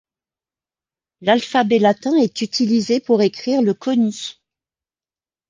L’alphabet latin est utilisé pour écrire le konni.